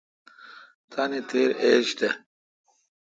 تان تھیر ایج تھ۔